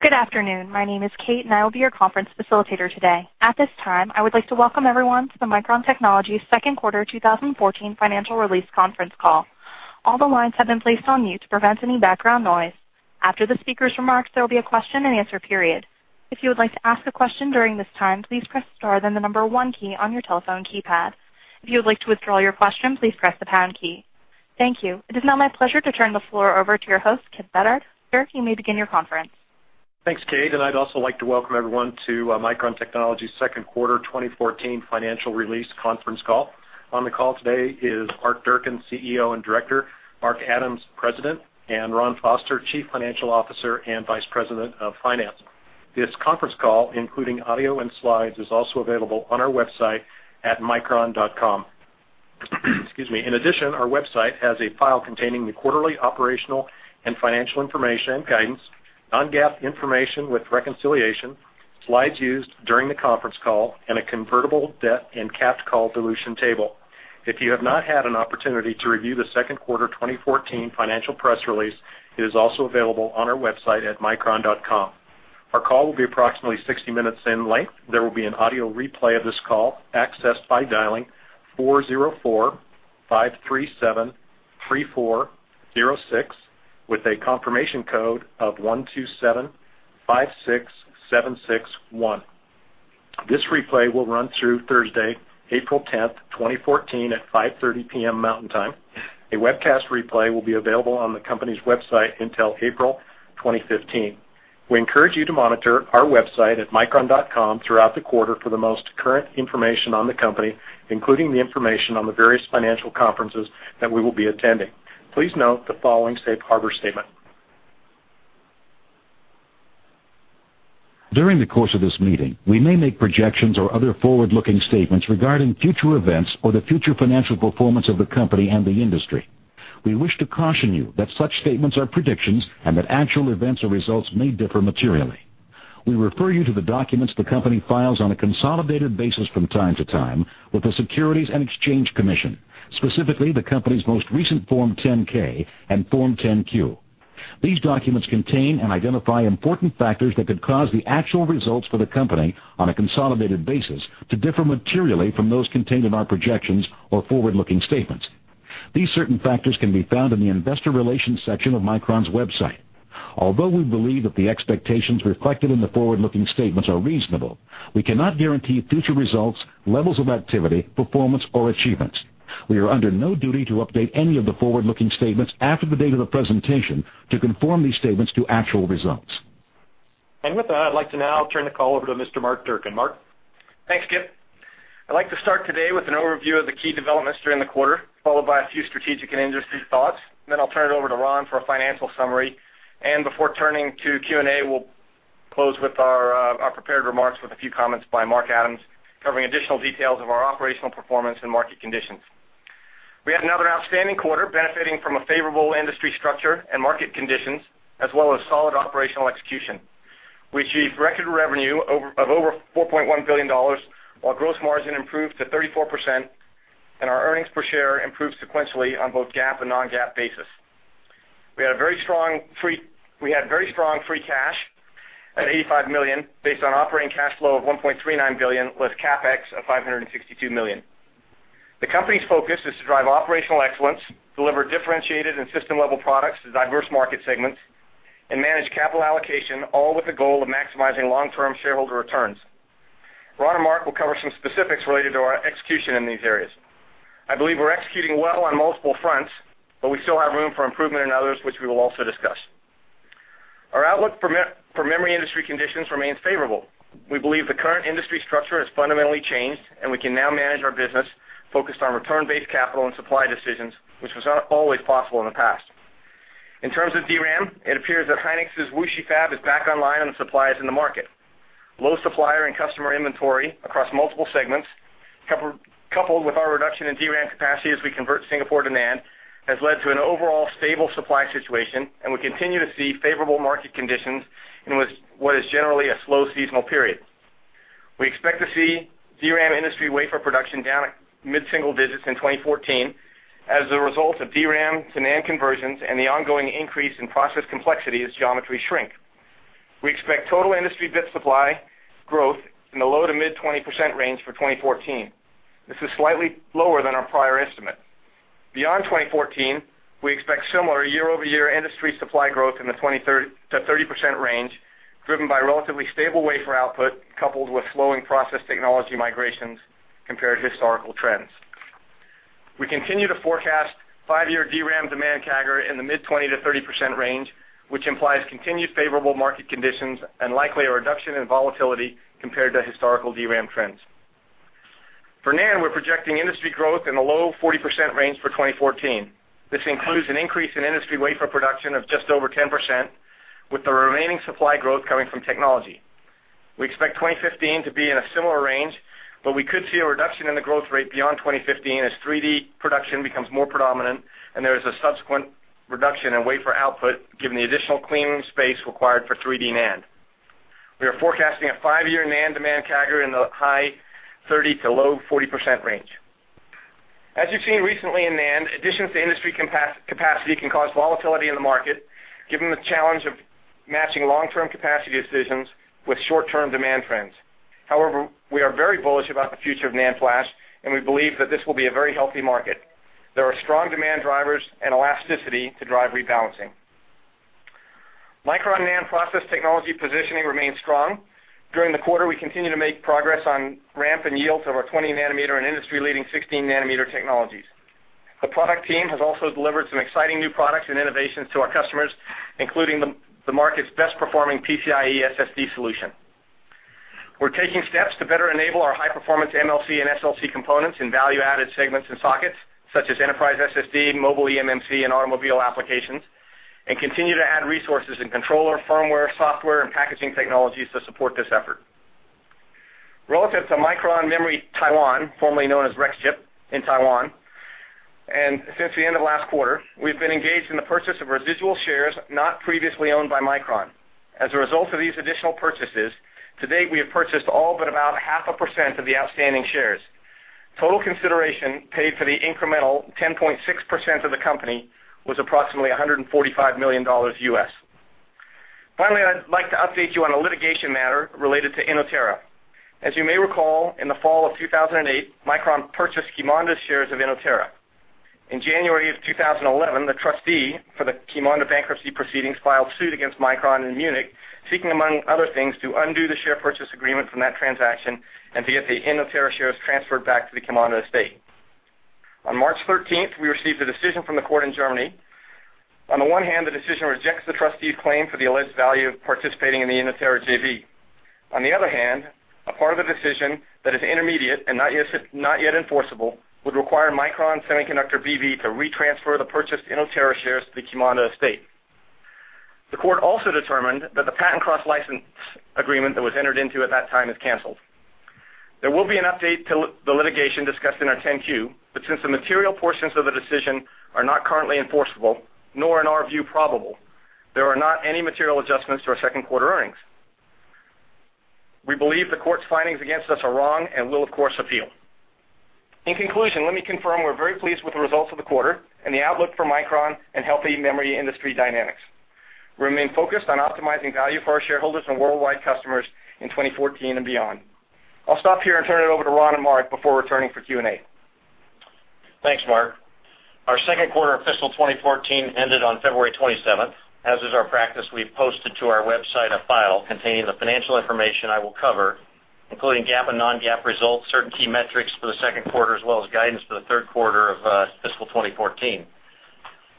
Good afternoon. My name is Kate, and I will be your conference facilitator today. At this time, I would like to welcome everyone to the Micron Technology second quarter 2014 financial release conference call. All the lines have been placed on mute to prevent any background noise. After the speaker's remarks, there will be a question and answer period. If you would like to ask a question during this time, please press star, then the number 1 key on your telephone keypad. If you would like to withdraw your question, please press the pound key. Thank you. It is now my pleasure to turn the floor over to your host, Kipp Bedard. Sir, you may begin your conference. Thanks, Kate. I'd also like to welcome everyone to Micron Technology's second quarter 2014 financial release conference call. On the call today is Mark Durcan, CEO and Director, Mark Adams, President, and Ron Foster, Chief Financial Officer and Vice President of Finance. This conference call, including audio and slides, is also available on our website at micron.com. Excuse me. In addition, our website has a file containing the quarterly operational and financial information and guidance, non-GAAP information with reconciliation, slides used during the conference call, and a convertible debt and capped call dilution table. If you have not had an opportunity to review the second quarter 2014 financial press release, it is also available on our website at micron.com. Our call will be approximately 60 minutes in length. There will be an audio replay of this call accessed by dialing 404-537-3406, with a confirmation code of 12756761. This replay will run through Thursday, April 10th, 2014, at 5:30 P.M. Mountain Time. A webcast replay will be available on the company's website until April 2015. We encourage you to monitor our website at micron.com throughout the quarter for the most current information on the company, including the information on the various financial conferences that we will be attending. Please note the following safe harbor statement. During the course of this meeting, we may make projections or other forward-looking statements regarding future events or the future financial performance of the company and the industry. We wish to caution you that such statements are predictions and that actual events or results may differ materially. We refer you to the documents the company files on a consolidated basis from time to time with the Securities and Exchange Commission, specifically the company's most recent Form 10-K and Form 10-Q. These documents contain and identify important factors that could cause the actual results for the company on a consolidated basis to differ materially from those contained in our projections or forward-looking statements. These certain factors can be found in the investor relations section of Micron's website. Although we believe that the expectations reflected in the forward-looking statements are reasonable, we cannot guarantee future results, levels of activity, performance, or achievements. We are under no duty to update any of the forward-looking statements after the date of the presentation to conform these statements to actual results. With that, I'd like to now turn the call over to Mr. Mark Durcan. Mark? Thanks, Kipp. I'd like to start today with an overview of the key developments during the quarter, followed by a few strategic and industry thoughts. I'll turn it over to Ron for a financial summary. Before turning to Q&A, we'll close with our prepared remarks with a few comments by Mark Adams covering additional details of our operational performance and market conditions. We had another outstanding quarter benefiting from a favorable industry structure and market conditions as well as solid operational execution. We achieved record revenue of over $4.1 billion, while gross margin improved to 34%, and our earnings per share improved sequentially on both GAAP and non-GAAP basis. We had very strong free cash at $85 million, based on operating cash flow of $1.39 billion, with CapEx of $562 million. The company's focus is to drive operational excellence, deliver differentiated and system-level products to diverse market segments, and manage capital allocation, all with the goal of maximizing long-term shareholder returns. Ron and Mark will cover some specifics related to our execution in these areas. I believe we're executing well on multiple fronts, but we still have room for improvement in others, which we will also discuss. Our outlook for memory industry conditions remains favorable. We believe the current industry structure has fundamentally changed, and we can now manage our business focused on return-based capital and supply decisions, which was not always possible in the past. In terms of DRAM, it appears that Hynix's Wuxi fab is back online and supplies in the market. Low supplier and customer inventory across multiple segments, coupled with our reduction in DRAM capacity as we convert Singapore to NAND, has led to an overall stable supply situation, and we continue to see favorable market conditions in what is generally a slow seasonal period. We expect to see DRAM industry wafer production down at mid-single digits in 2014 as a result of DRAM to NAND conversions and the ongoing increase in process complexity as geometries shrink. We expect total industry bit supply growth in the low to mid 20% range for 2014. This is slightly lower than our prior estimate. Beyond 2014, we expect similar year-over-year industry supply growth in the 20%-30% range, driven by relatively stable wafer output coupled with slowing process technology migrations compared to historical trends. We continue to forecast five-year DRAM demand CAGR in the mid 20%-30% range, which implies continued favorable market conditions and likely a reduction in volatility compared to historical DRAM trends. For NAND, we're projecting industry growth in the low 40% range for 2014. This includes an increase in industry wafer production of just over 10%, with the remaining supply growth coming from technology. We expect 2015 to be in a similar range, but we could see a reduction in the growth rate beyond 2015 as 3D production becomes more predominant, and there is a subsequent reduction in wafer output given the additional clean room space required for 3D NAND. We are forecasting a five-year NAND demand CAGR in the high 30%-40% range. As you've seen recently in NAND, additions to industry capacity can cause volatility in the market, given the challenge of matching long-term capacity decisions with short-term demand trends. However, we are very bullish about the future of NAND flash, and we believe that this will be a very healthy market. There are strong demand drivers and elasticity to drive rebalancing. Micron NAND process technology positioning remains strong. During the quarter, we continue to make progress on ramp and yields of our 20 nanometer and industry-leading 16 nanometer technologies. The product team has also delivered some exciting new products and innovations to our customers, including the market's best-performing PCIe SSD solution. We're taking steps to better enable our high-performance MLC and SLC components in value-added segments and sockets, such as enterprise SSD, mobile eMMC, and automobile applications, and continue to add resources in controller, firmware, software, and packaging technologies to support this effort. Relative to Micron Memory Taiwan, formerly known as Rexchip in Taiwan, and since the end of last quarter, we've been engaged in the purchase of residual shares not previously owned by Micron. As a result of these additional purchases, to date, we have purchased all but about half a percent of the outstanding shares. Total consideration paid for the incremental 10.6% of the company was approximately $145 million. Finally, I'd like to update you on a litigation matter related to Inotera. As you may recall, in the fall of 2008, Micron purchased Qimonda's shares of Inotera. In January of 2011, the trustee for the Qimonda bankruptcy proceedings filed suit against Micron in Munich, seeking, among other things, to undo the share purchase agreement from that transaction and to get the Inotera shares transferred back to the Qimonda estate. On March 13th, we received a decision from the court in Germany. On the one hand, the decision rejects the trustee's claim for the alleged value of participating in the Inotera JV. On the other hand, a part of the decision that is intermediate and not yet enforceable would require Micron Semiconductor B.V. to re-transfer the purchased Inotera shares to the Qimonda estate. The court also determined that the patent cross-license agreement that was entered into at that time is canceled. There will be an update to the litigation discussed in our 10-Q. Since the material portions of the decision are not currently enforceable, nor in our view probable, there are not any material adjustments to our second quarter earnings. We believe the court's findings against us are wrong and will, of course, appeal. In conclusion, let me confirm we're very pleased with the results of the quarter and the outlook for Micron and healthy memory industry dynamics. We remain focused on optimizing value for our shareholders and worldwide customers in 2014 and beyond. I'll stop here and turn it over to Ron and Mark before returning for Q&A. Thanks, Mark. Our second quarter of fiscal 2014 ended on February 27th. As is our practice, we've posted to our website a file containing the financial information I will cover, including GAAP and non-GAAP results, certain key metrics for the second quarter, as well as guidance for the third quarter of fiscal 2014.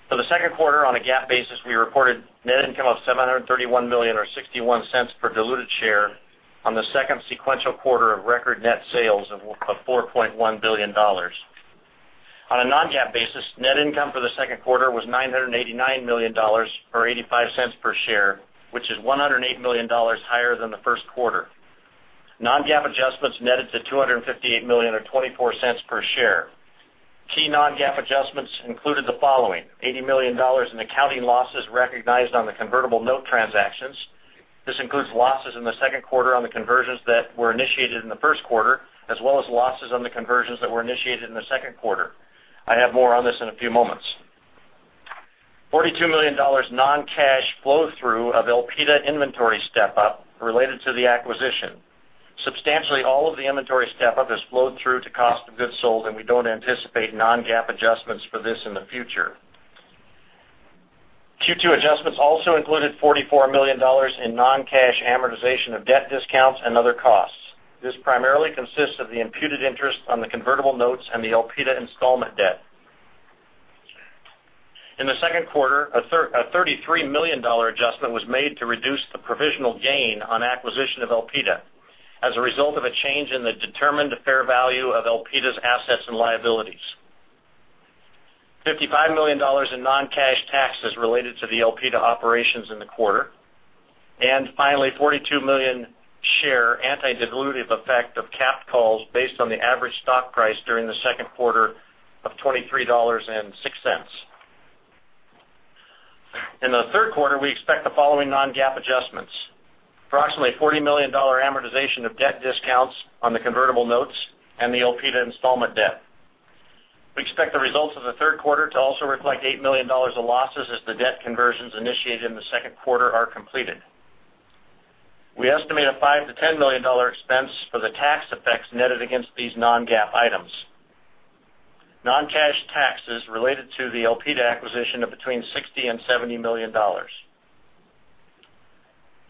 For the second quarter, on a GAAP basis, we reported net income of $731 million, or $0.61 per diluted share on the second sequential quarter of record net sales of $4.1 billion. On a non-GAAP basis, net income for the second quarter was $989 million, or $0.85 per share, which is $108 million higher than the first quarter. Non-GAAP adjustments netted to $258 million, or $0.24 per share. Key non-GAAP adjustments included the following: $80 million in accounting losses recognized on the convertible note transactions. This includes losses in the second quarter on the conversions that were initiated in the first quarter, as well as losses on the conversions that were initiated in the second quarter. I have more on this in a few moments. $42 million non-cash flow through of Elpida inventory step-up related to the acquisition. Substantially all of the inventory step-up has flowed through to cost of goods sold. We don't anticipate non-GAAP adjustments for this in the future. Q2 adjustments also included $44 million in non-cash amortization of debt discounts and other costs. This primarily consists of the imputed interest on the convertible notes and the Elpida installment debt. In the second quarter, a $33 million adjustment was made to reduce the provisional gain on acquisition of Elpida, as a result of a change in the determined fair value of Elpida's assets and liabilities. $55 million in non-cash taxes related to the Elpida operations in the quarter. Finally, 42 million share anti-dilutive effect of cap calls based on the average stock price during the second quarter of $23.06. In the third quarter, we expect the following non-GAAP adjustments. Approximately $40 million amortization of debt discounts on the convertible notes and the Elpida installment debt. We expect the results of the third quarter to also reflect $8 million of losses as the debt conversions initiated in the second quarter are completed. We estimate a $5 million to $10 million expense for the tax effects netted against these non-GAAP items. Non-cash taxes related to the Elpida acquisition of between $60 million and $70 million.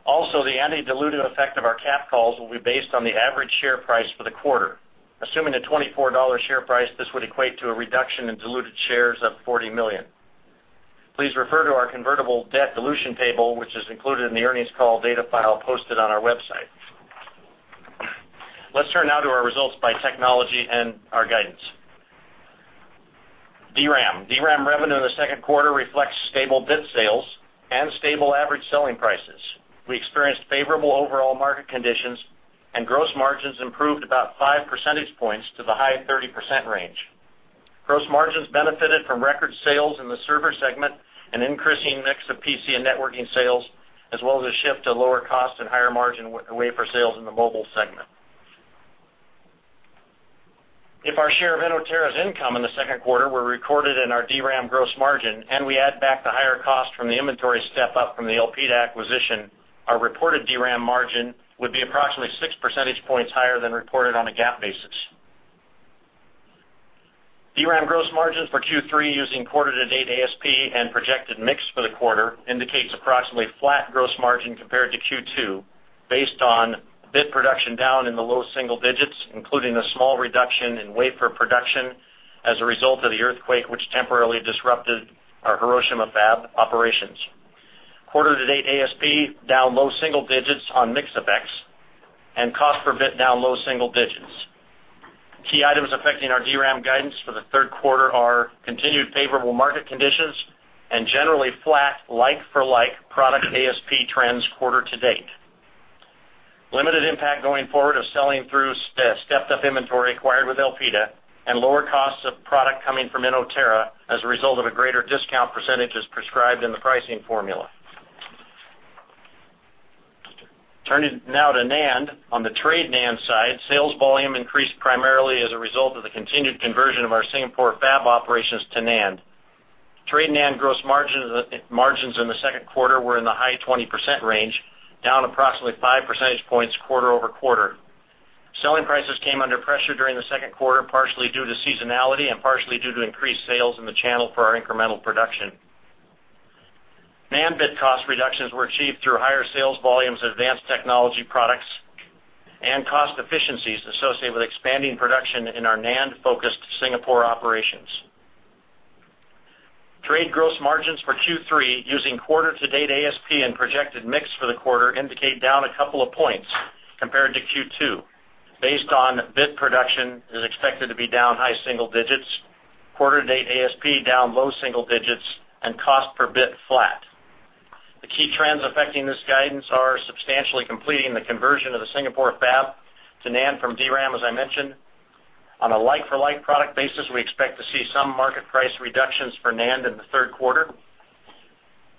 Also, the anti-dilutive effect of our cap calls will be based on the average share price for the quarter. Assuming a $24 share price, this would equate to a reduction in diluted shares of 40 million. Please refer to our convertible debt dilution table, which is included in the earnings call data file posted on our website. Let's turn now to our results by technology and our guidance. DRAM. DRAM revenue in the second quarter reflects stable bit sales and stable average selling prices. We experienced favorable overall market conditions, and gross margins improved about 5 percentage points to the high 30% range. Gross margins benefited from record sales in the server segment, an increasing mix of PC and networking sales as well as a shift to lower cost and higher margin wafer sales in the mobile segment. If our share of Inotera's income in the second quarter were recorded in our DRAM gross margin, and we add back the higher cost from the inventory step-up from the Elpida acquisition, our reported DRAM margin would be approximately 6 percentage points higher than reported on a GAAP basis. DRAM gross margins for Q3 using quarter-to-date ASP and projected mix for the quarter indicates approximately flat gross margin compared to Q2, based on bit production down in the low single digits, including a small reduction in wafer production as a result of the earthquake, which temporarily disrupted our Hiroshima fab operations. Quarter-to-date ASP down low single digits on mix effects, and cost per bit down low single digits. Key items affecting our DRAM guidance for the third quarter are continued favorable market conditions and generally flat like-for-like product ASP trends quarter to date. Limited impact going forward of selling through stepped-up inventory acquired with Elpida, and lower costs of product coming from Inotera as a result of a greater discount percentage as prescribed in the pricing formula. Turning now to NAND. On the trade NAND side, sales volume increased primarily as a result of the continued conversion of our Singapore fab operations to NAND. Trade NAND gross margins in the second quarter were in the high 20% range, down approximately 5 percentage points quarter-over-quarter. Selling prices came under pressure during the second quarter, partially due to seasonality and partially due to increased sales in the channel for our incremental production. NAND bit cost reductions were achieved through higher sales volumes of advanced technology products and cost efficiencies associated with expanding production in our NAND-focused Singapore operations. Trade gross margins for Q3 using quarter-to-date ASP and projected mix for the quarter indicate down a couple of points compared to Q2, based on bit production is expected to be down high single digits, quarter-to-date ASP down low single digits, and cost per bit flat. The key trends affecting this guidance are substantially completing the conversion of the Singapore fab to NAND from DRAM, as I mentioned. On a like-for-like product basis, we expect to see some market price reductions for NAND in the third quarter.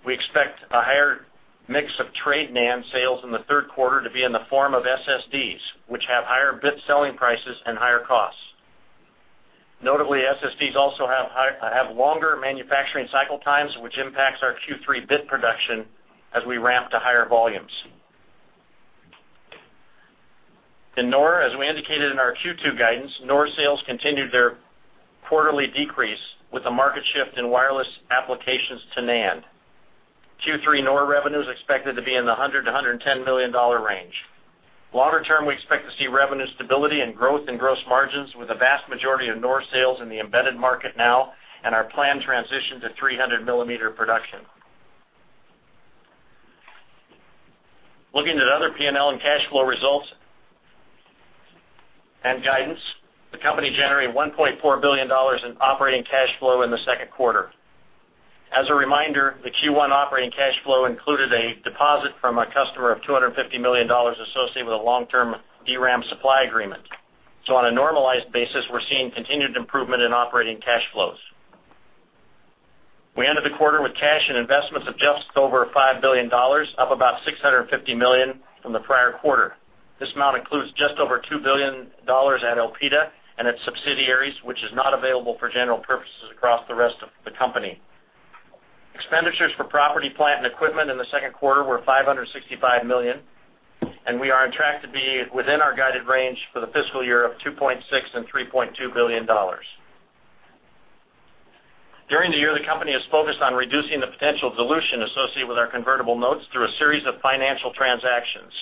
We expect a higher mix of trade NAND sales in the third quarter to be in the form of SSDs, which have higher bit selling prices and higher costs. Notably, SSDs also have longer manufacturing cycle times, which impacts our Q3 bit production as we ramp to higher volumes. In NOR, as we indicated in our Q2 guidance, NOR sales continued their quarterly decrease with a market shift in wireless applications to NAND. Q3 NOR revenue is expected to be in the $100 million to $110 million range. Longer term, we expect to see revenue stability and growth in gross margins with the vast majority of NOR sales in the embedded market now and our planned transition to 300-millimeter production. Looking at other P&L and cash flow results and guidance, the company generated $1.4 billion in operating cash flow in the second quarter. As a reminder, the Q1 operating cash flow included a deposit from a customer of $250 million associated with a long-term DRAM supply agreement. On a normalized basis, we're seeing continued improvement in operating cash flows. We ended the quarter with cash and investments of just over $5 billion, up about $650 million from the prior quarter. This amount includes just over $2 billion at Elpida and its subsidiaries, which is not available for general purposes across the rest of the company. Expenditures for property, plant, and equipment in the second quarter were $565 million, and we are on track to be within our guided range for the fiscal year of $2.6 billion-$3.2 billion. During the year, the company has focused on reducing the potential dilution associated with our convertible notes through a series of financial transactions.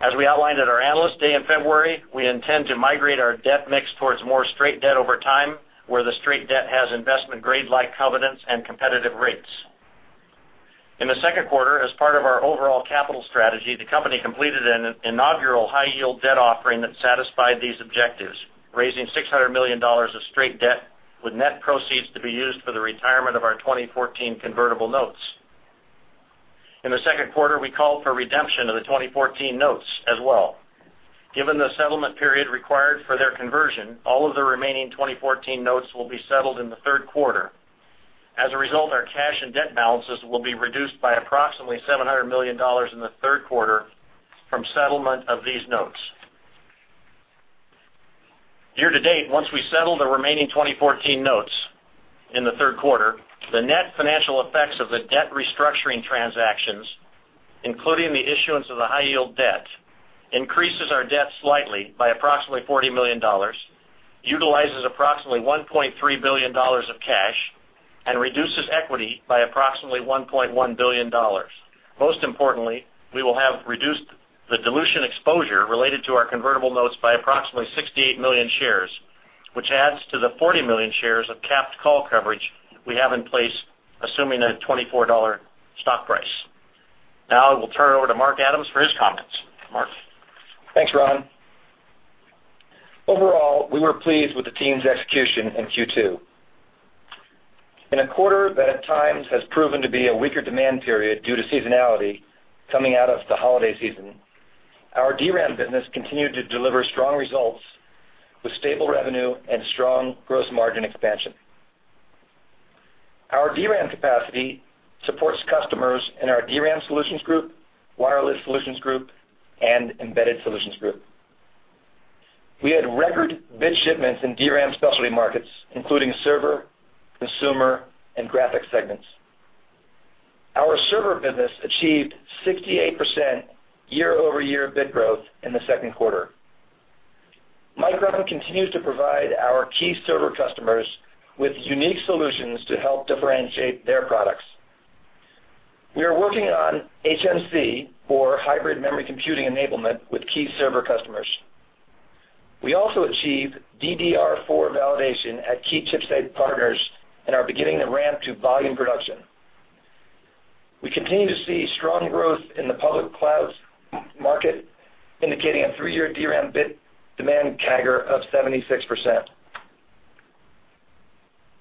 As we outlined at our Analyst Day in February, we intend to migrate our debt mix towards more straight debt over time, where the straight debt has investment-grade-like covenants and competitive rates. In the second quarter, as part of our overall capital strategy, the company completed an inaugural high-yield debt offering that satisfied these objectives, raising $600 million of straight debt with net proceeds to be used for the retirement of our 2014 convertible notes. In the second quarter, we called for redemption of the 2014 notes as well. Given the settlement period required for their conversion, all of the remaining 2014 notes will be settled in the third quarter. As a result, our cash and debt balances will be reduced by approximately $700 million in the third quarter from settlement of these notes. Year to date, once we settle the remaining 2014 notes in the third quarter, the net financial effects of the debt restructuring transactions, including the issuance of the high-yield debt, increases our debt slightly by approximately $40 million, utilizes approximately $1.3 billion of cash, and reduces equity by approximately $1.1 billion. Most importantly, we will have reduced the dilution exposure related to our convertible notes by approximately 68 million shares, which adds to the 40 million shares of capped call coverage we have in place, assuming a $24 stock price. Now I will turn it over to Mark Adams for his comments. Mark? Thanks, Ron. Overall, we were pleased with the team's execution in Q2. In a quarter that at times has proven to be a weaker demand period due to seasonality coming out of the holiday season, our DRAM business continued to deliver strong results with stable revenue and strong gross margin expansion. Our DRAM capacity supports customers in our DRAM Solutions Group, Wireless Solutions Group, and Embedded Solutions Group. We had record bit shipments in DRAM specialty markets, including server, consumer, and graphic segments. Our server business achieved 68% year-over-year bit growth in the second quarter. Micron continues to provide our key server customers with unique solutions to help differentiate their products. We are working on HMC, or hybrid memory computing enablement, with key server customers. We also achieved DDR4 validation at key chipset partners and are beginning to ramp to volume production. We continue to see strong growth in the public cloud market, indicating a three-year DRAM bit demand CAGR of 76%.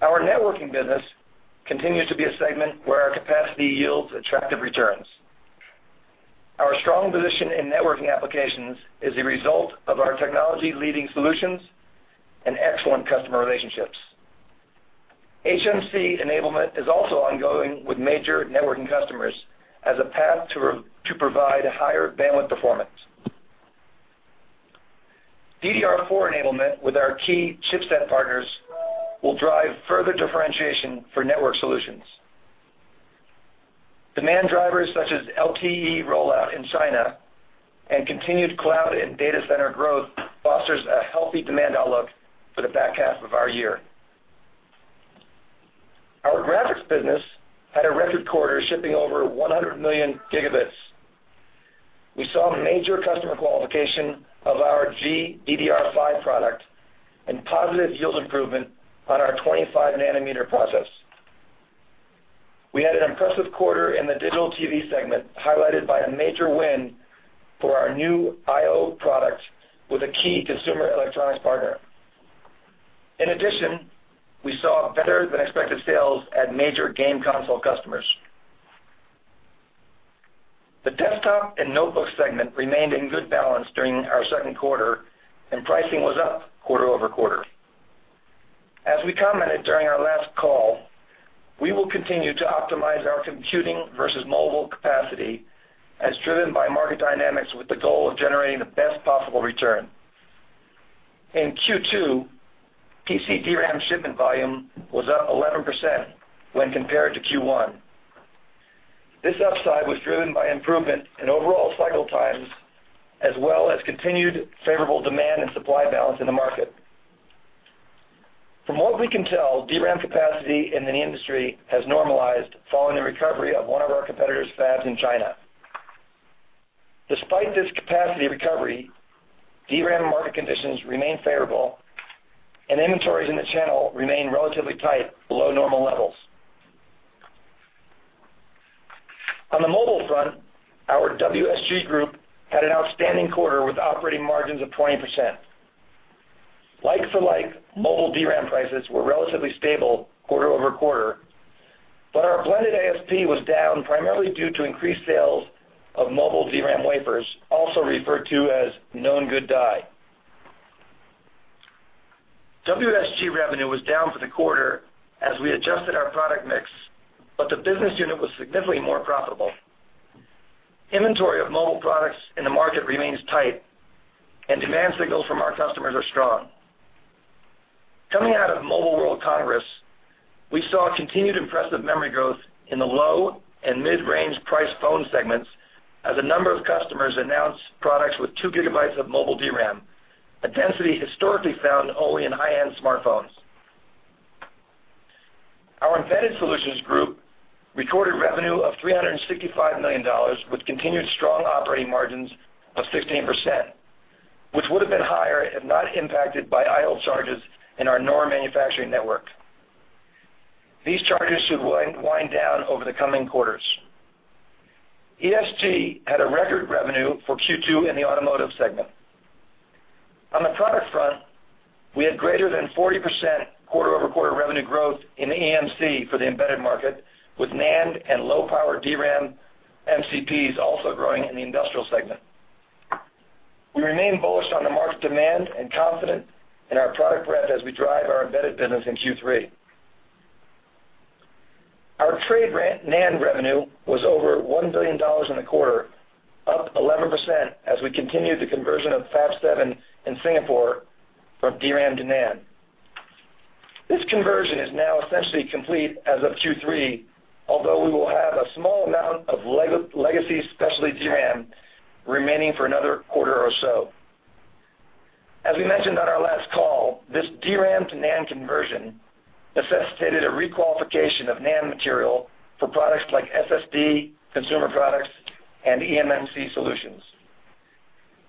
Our networking business continues to be a segment where our capacity yields attractive returns. Our strong position in networking applications is a result of our technology-leading solutions and excellent customer relationships. HMC enablement is also ongoing with major networking customers as a path to provide higher bandwidth performance. DDR4 enablement with our key chipset partners will drive further differentiation for network solutions. Demand drivers such as LTE rollout in China and continued cloud and data center growth fosters a healthy demand outlook for the back half of our year. Our graphics business had a record quarter, shipping over 100 million gigabits. We saw major customer qualification of our GDDR5 product and positive yield improvement on our 25-nanometer process. We had an impressive quarter in the digital TV segment, highlighted by a major win for our new IO product with a key consumer electronics partner. In addition, we saw better-than-expected sales at major game console customers. The desktop and notebook segment remained in good balance during our second quarter, and pricing was up quarter-over-quarter. As we commented during our last call, we will continue to optimize our computing versus mobile capacity as driven by market dynamics with the goal of generating the best possible return. In Q2, PC DRAM shipment volume was up 11% when compared to Q1. This upside was driven by improvement in overall cycle times, as well as continued favorable demand and supply balance in the market. From what we can tell, DRAM capacity in the industry has normalized following the recovery of one of our competitor's fabs in China. Despite this capacity recovery, DRAM market conditions remain favorable, inventories in the channel remain relatively tight, below normal levels. On the mobile front, our WSG group had an outstanding quarter with operating margins of 20%. Like-for-like mobile DRAM prices were relatively stable quarter-over-quarter, but our blended ASP was down primarily due to increased sales of mobile DRAM wafers, also referred to as known good die. WSG revenue was down for the quarter as we adjusted our product mix, but the business unit was significantly more profitable. Inventory of mobile products in the market remains tight, demand signals from our customers are strong. Coming out of Mobile World Congress, we saw continued impressive memory growth in the low and mid-range price phone segments as a number of customers announced products with two gigabytes of mobile DRAM, a density historically found only in high-end smartphones. Our Embedded Solutions Group recorded revenue of $365 million, with continued strong operating margins of 16%, which would have been higher had not impacted by idle charges in our NOR manufacturing network. These charges should wind down over the coming quarters. ESG had a record revenue for Q2 in the automotive segment. On the product front, we had greater than 40% quarter-over-quarter revenue growth in eMMC for the embedded market, with NAND and low-power DRAM MCPs also growing in the industrial segment. We remain bullish on the market demand, confident in our product breadth as we drive our embedded business in Q3. Our trade NAND revenue was over $1 billion in the quarter, up 11% as we continued the conversion of Fab 7 in Singapore from DRAM to NAND. This conversion is now essentially complete as of Q3, although we will have a small amount of legacy specialty DRAM remaining for another quarter or so. We mentioned on our last call, this DRAM-to-NAND conversion necessitated a requalification of NAND material for products like SSD, consumer products, and eMMC solutions.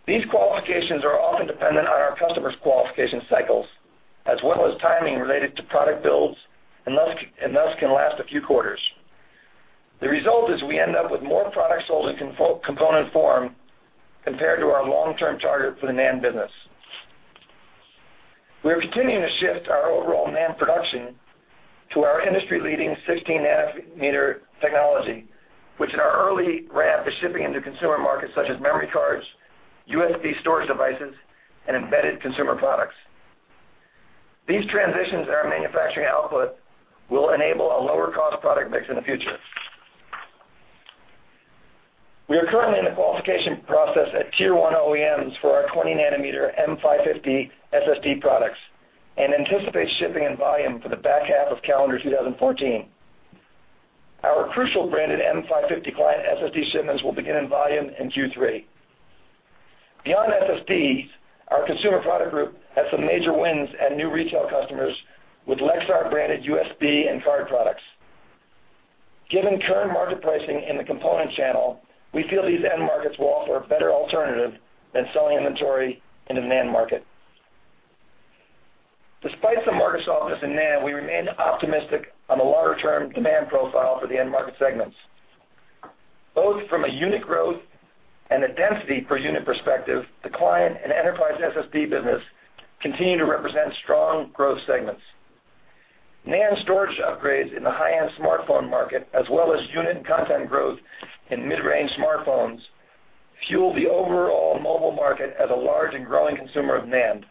These qualifications are often dependent on our customers' qualification cycles, as well as timing related to product builds, thus can last a few quarters. The result is we end up with more products sold in component form compared to our long-term target for the NAND business. We are continuing to shift our overall NAND production to our industry-leading 16-nanometer technology, which in our early ramp is shipping into consumer markets such as memory cards, USB storage devices and embedded consumer products. These transitions in our manufacturing output will enable a lower-cost product mix in the future. We are currently in the qualification process at Tier 1 OEMs for our 20-nanometer M550 SSD products, anticipate shipping in volume for the back half of calendar 2014. Our Crucial-branded M550 client SSD shipments will begin in volume in Q3. Beyond SSDs, our consumer product group had some major wins, new retail customers with Lexar-branded USB and card products. Given current market pricing in the component channel, we feel these end markets will offer a better alternative than selling inventory into the NAND market. Despite some market softness in NAND, we remain optimistic on the longer-term demand profile for the end market segments. Both from a unit growth, a density-per-unit perspective, the client and enterprise SSD business continue to represent strong growth segments. NAND storage upgrades in the high-end smartphone market, as well as unit and content growth in mid-range smartphones, fuel the overall mobile market as a large and growing consumer of NAND.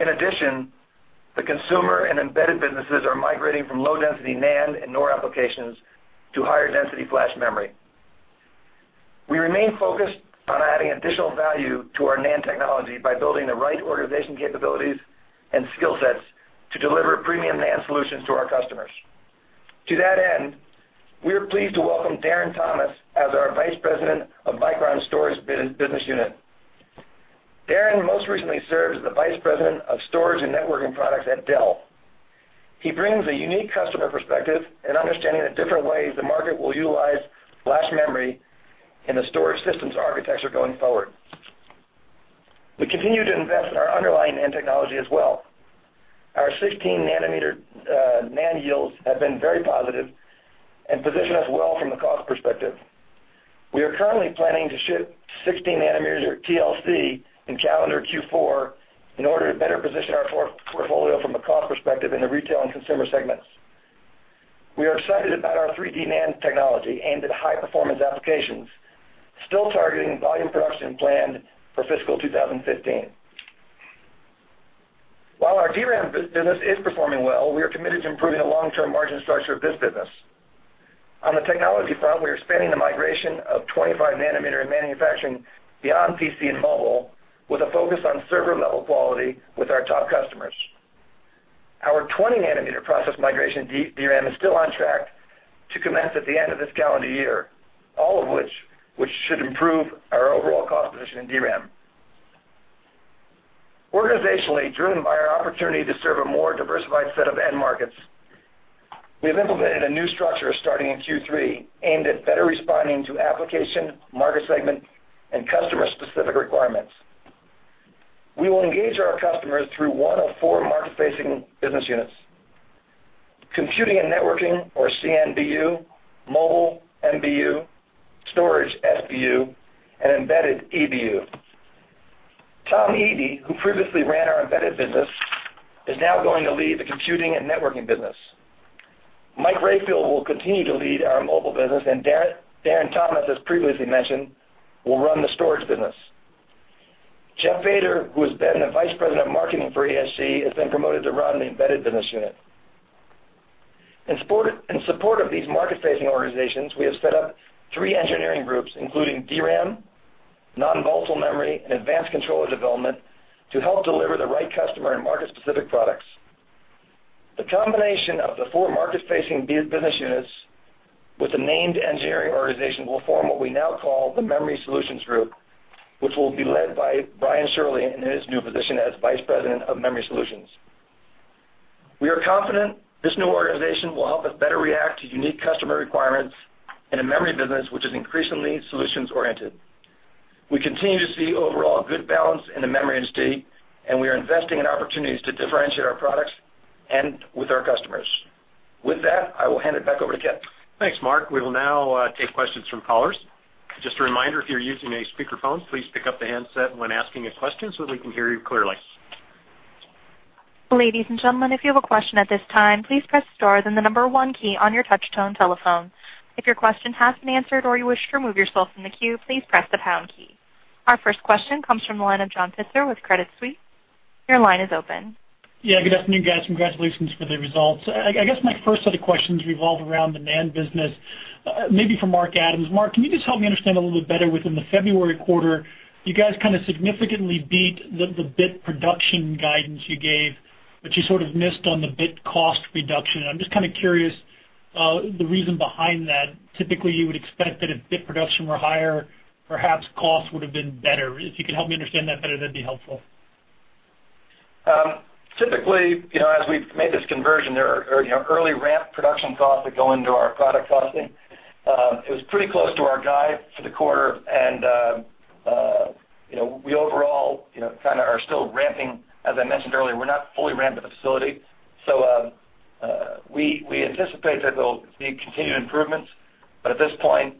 In addition, the consumer and embedded businesses are migrating from low-density NAND and NOR applications to higher-density flash memory. We remain focused on adding additional value to our NAND technology by building the right organization capabilities and skill sets to deliver premium NAND solutions to our customers. To that end, we are pleased to welcome Darren Thomas as our Vice President of Micron's Storage Business Unit. Darren most recently served as the Vice President of Storage and Networking Products at Dell. He brings a unique customer perspective and understanding of different ways the market will utilize flash memory in the storage systems architecture going forward. We continue to invest in our underlying NAND technology as well. Our 16-nanometer NAND yields have been very positive and position us well from a cost perspective. We are currently planning to ship 16 nanometers of TLC in calendar Q4 in order to better position our portfolio from a cost perspective in the retail and consumer segments. We are excited about our 3D NAND technology aimed at high-performance applications, still targeting volume production planned for fiscal 2015. While our DRAM business is performing well, we are committed to improving the long-term margin structure of this business. On the technology front, we are expanding the migration of 25-nanometer manufacturing beyond PC and mobile, with a focus on server-level quality with our top customers. Our 20-nanometer process migration DRAM is still on track to commence at the end of this calendar year, all of which should improve our overall cost position in DRAM. Organizationally, driven by our opportunity to serve a more diversified set of end markets, we have implemented a new structure starting in Q3 aimed at better responding to application, market segment, and customer-specific requirements. We will engage our customers through one of four market-facing business units: Computing and Networking, or CNBU, Mobile, MBU, Storage, SBU, and Embedded, EBU. Tom Eby, who previously ran our Embedded Business, is now going to lead the Computing and Networking Business. Mike Rayfield will continue to lead our Mobile Business, and Darren Thomas, as previously mentioned, will run the Storage Business. Jeff Bader, who has been the Vice President of Marketing for ASC, has been promoted to run the Embedded Business Unit. In support of these market-facing organizations, we have set up three engineering groups, including DRAM, non-volatile memory, and advanced controller development, to help deliver the right customer and market-specific products. The combination of the four market-facing business units with the named engineering organization will form what we now call the Memory Solutions Group, which will be led by Brian Shirley in his new position as Vice President of Memory Solutions. We are confident this new organization will help us better react to unique customer requirements in a memory business which is increasingly solutions-oriented. We continue to see overall good balance in the memory industry. We are investing in opportunities to differentiate our products and with our customers. With that, I will hand it back over to Kipp. Thanks, Mark. We will now take questions from callers. Just a reminder, if you're using a speakerphone, please pick up the handset when asking a question so that we can hear you clearly. Ladies and gentlemen, if you have a question at this time, please press star, then the number 1 key on your touch-tone telephone. If your question has been answered or you wish to remove yourself from the queue, please press the pound key. Our first question comes from the line of John Pitzer with Credit Suisse. Your line is open. Good afternoon, guys. Congratulations for the results. I guess my first set of questions revolve around the NAND business, maybe for Mark Adams. Mark, can you just help me understand a little bit better with the February quarter? You guys significantly beat the bit production guidance you gave, but you sort of missed on the bit cost reduction. I'm just curious the reason behind that. Typically, you would expect that if bit production were higher, perhaps costs would have been better. If you could help me understand that better, that'd be helpful. Typically, as we've made this conversion, there are early ramp production costs that go into our product costing. It was pretty close to our guide for the quarter, and we overall are still ramping. As I mentioned earlier, we're not fully ramped at the facility. We anticipate that there will be continued improvements, but at this point,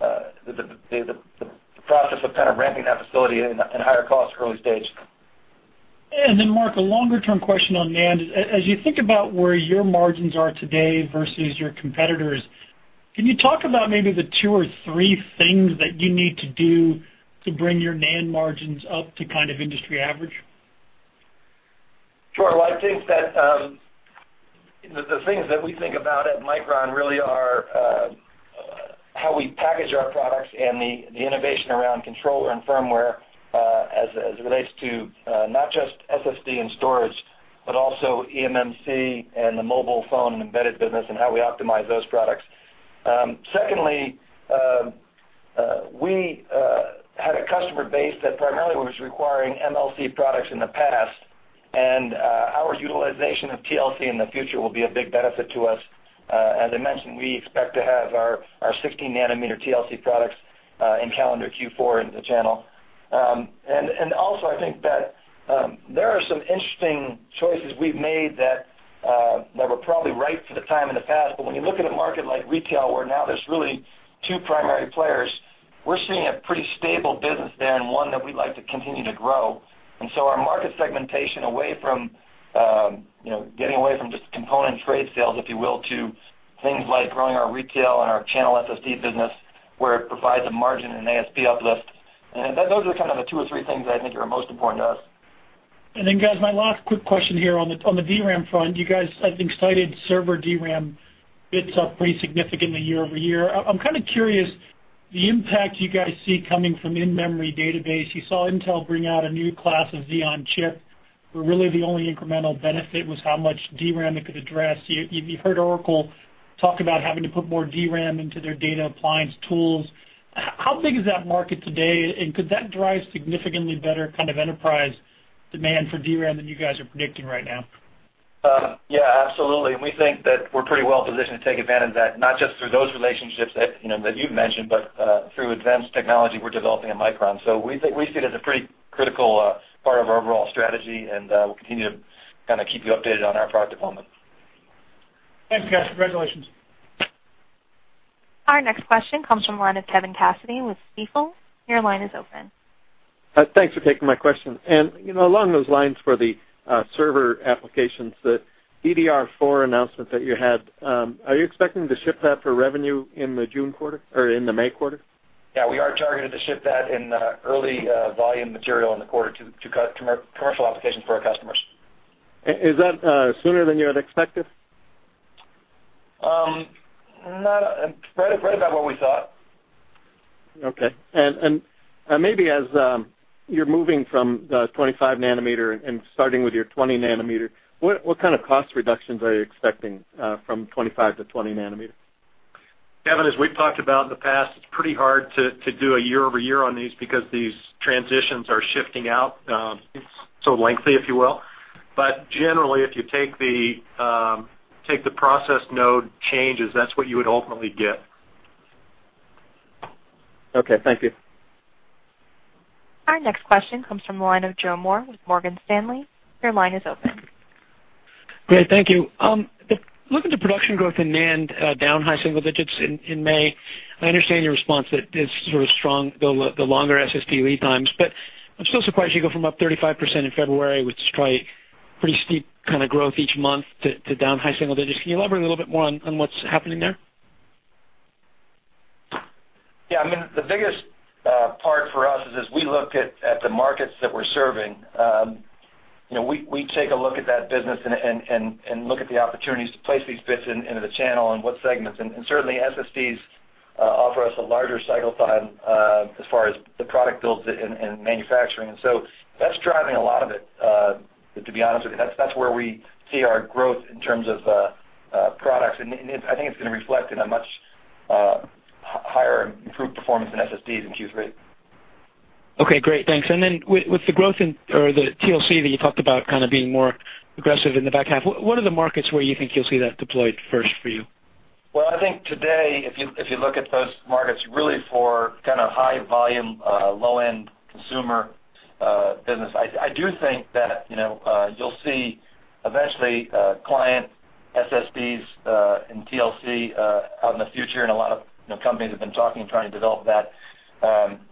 the process of ramping that facility. Mark, a longer-term question on NAND. As you think about where your margins are today versus your competitors, can you talk about maybe the two or three things that you need to do to bring your NAND margins up to industry average? Sure. Well, I think that the things that we think about at Micron really are how we package our products and the innovation around controller and firmware, as it relates to not just SSD and storage, but also eMMC and the mobile phone and embedded business and how we optimize those products. Secondly, we had a customer base that primarily was requiring MLC products in the past, and our utilization of TLC in the future will be a big benefit to us. As I mentioned, we expect to have our 16-nanometer TLC products in calendar Q4 in the channel. I think that there are some interesting choices we've made that were probably right for the time in the past. When you look at a market like retail, where now there's really two primary players, we're seeing a pretty stable business there and one that we'd like to continue to grow. Our market segmentation away from just component trade sales, if you will, to things like growing our retail and our channel SSD business, where it provides a margin and ASP uplift. Those are kind of the two or three things that I think are most important to us. Guys, my last quick question here on the DRAM front. You guys, I think, cited server DRAM bits up pretty significantly year-over-year. I'm kind of curious, the impact you guys see coming from in-memory database. You saw Intel bring out a new class of Xeon chip, where really the only incremental benefit was how much DRAM it could address. You've heard Oracle talk about having to put more DRAM into their data appliance tools. How big is that market today, and could that drive significantly better kind of enterprise demand for DRAM than you guys are predicting right now? Yeah, absolutely. We think that we're pretty well-positioned to take advantage of that, not just through those relationships that you've mentioned, but through advanced technology we're developing at Micron. We see it as a pretty critical part of our overall strategy, and we'll continue to kind of keep you updated on our product development. Thanks, guys. Congratulations. Our next question comes from the line of Kevin Cassidy with Stifel. Your line is open. Thanks for taking my question. Along those lines for the server applications, the DDR4 announcement that you had, are you expecting to ship that for revenue in the June quarter or in the May quarter? Yeah, we are targeted to ship that in early volume material in the quarter to commercial applications for our customers. Is that sooner than you had expected? Right about what we thought. Okay. Maybe as you're moving from the 25 nanometer and starting with your 20 nanometer, what kind of cost reductions are you expecting from 25 to 20 nanometer? Kevin, as we've talked about in the past, it's pretty hard to do a year-over-year on these because these transitions are shifting out. It's so lengthy, if you will. Generally, if you take the process node changes, that's what you would ultimately get. Okay, thank you. Our next question comes from the line of Joseph Moore with Morgan Stanley. Your line is open. Great, thank you. Looking to production growth in NAND down high single digits in May. I understand your response that it's sort of strong, the longer SSD lead times. I'm still surprised you go from up 35% in February, which is pretty steep kind of growth each month to down high single digits. Can you elaborate a little bit more on what's happening there? Yeah. The biggest part for us is as we look at the markets that we're serving, we take a look at that business and look at the opportunities to place these bits into the channel and what segments. Certainly, SSDs offer us a larger cycle time as far as the product builds and manufacturing. That's driving a lot of it, to be honest with you. That's where we see our growth in terms of products, and I think it's going to reflect in a much higher improved performance in SSDs in Q3. Okay, great. Thanks. With the growth in the TLC that you talked about kind of being more aggressive in the back half, what are the markets where you think you'll see that deployed first for you? Well, I think today, if you look at those markets really for kind of high-volume, low-end consumer business, I do think that you'll see eventually client SSDs and TLC out in the future. A lot of companies have been talking and trying to develop that.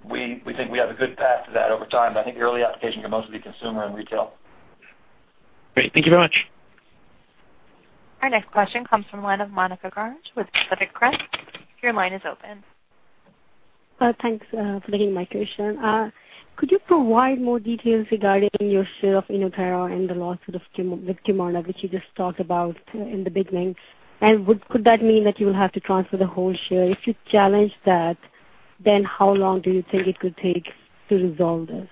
We think we have a good path to that over time, I think early application could mostly be consumer and retail. Great. Thank you very much. Our next question comes from the line of Monika Garg with Pacific Crest Securities. Your line is open. Thanks for taking my question. Could you provide more details regarding your share of Inotera and the lawsuit with Qimonda, which you just talked about in the beginning? Could that mean that you will have to transfer the whole share? If you challenge that, how long do you think it could take to resolve this?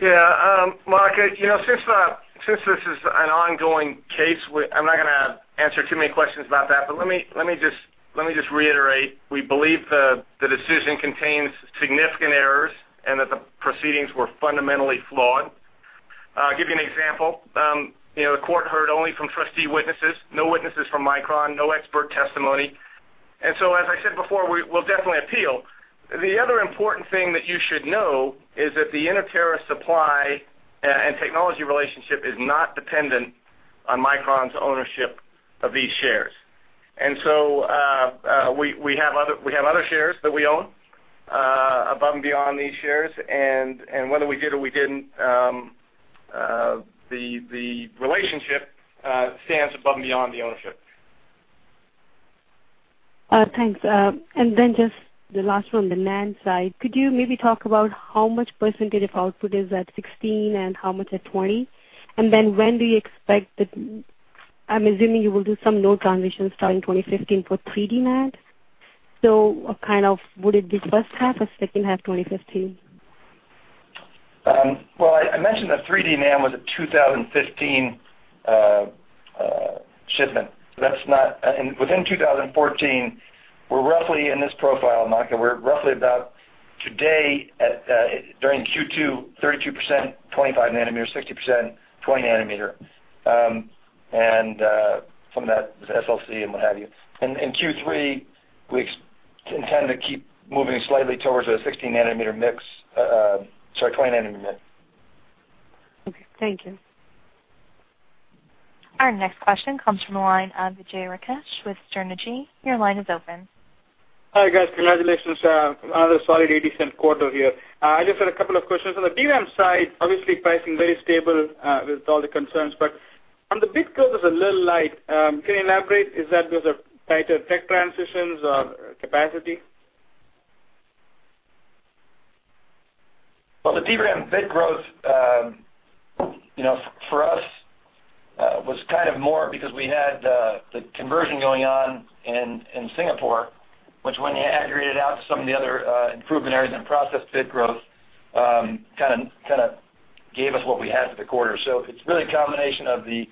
Yeah. Monika, since this is an ongoing case, I'm not going to answer too many questions about that. Let me just reiterate, we believe the decision contains significant errors and that the proceedings were fundamentally flawed. I'll give you an example. The court heard only from trustee witnesses, no witnesses from Micron, no expert testimony. As I said before, we'll definitely appeal. The other important thing that you should know is that the Inotera supply and technology relationship is not dependent on Micron's ownership of these shares. We have other shares that we own above and beyond these shares, and whether we did or we didn't, the relationship stands above and beyond the ownership. Thanks. Just the last one, the NAND side, could you maybe talk about how much percentage of output is at 16 and how much at 20? When do you expect the I'm assuming you will do some node transitions starting 2015 for 3D NAND. Would it be first half or second half of 2015? Well, I mentioned that 3D NAND was a 2015 shipment. Within 2014, we're roughly in this profile, Monika. We're roughly about, today, during Q2, 32%, 25 nanometer, 60%, 20 nanometer. Some of that is SLC and what have you. In Q3, we intend to keep moving slightly towards a 16 nanometer mix. Sorry, 20 nanometer mix. Okay, thank you. Our next question comes from the line of Vijay Rakesh with Mizuho. Your line is open. Hi, guys. Congratulations. Another solid, decent quarter here. I just had a couple of questions. On the DRAM side, obviously pricing very stable with all the concerns, but on the bit growth was a little light. Can you elaborate, is that because of tighter tech transitions or capacity? The DRAM bit growth for us was more because we had the conversion going on in Singapore, which when you aggregate it out to some of the other improvement areas and process bit growth, kind of gave us what we had for the quarter. It's really a combination of the